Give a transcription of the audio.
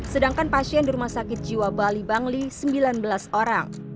sedangkan pasien di rumah sakit jiwa bali bangli sembilan belas orang